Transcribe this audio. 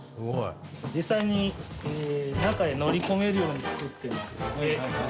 実際に中へ乗り込めるように作ってまして。